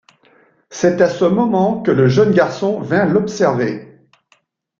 C'est à ce moment que le jeune garçon vient l'observer.